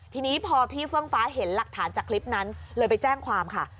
ทีนี้พอพี่เฟื่องฟ้าเห็นหลักฐานจากคลิปนั้นเลยไปแจ้งความค่ะ